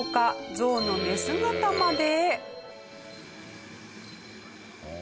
ゾウの寝姿まで。